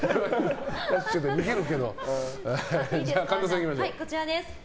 神田さんいきましょう。